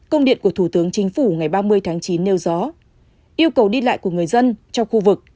công điện của thủ tướng chính phủ ngày ba mươi tháng chín nêu rõ yêu cầu đi lại của người dân trong khu vực